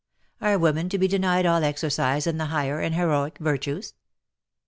Are women to be denied all exercise in the higher and heroic virtues